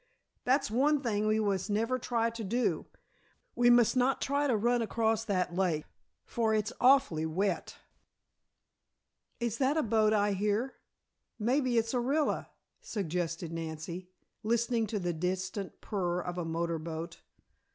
"That's one thing we must never try to do; we must not try to run across that lake, for it's awfully wet." "Is that a boat I hear? Maybe it's Orilla," suggested Nancy, listening to the distant purr of a motor boat.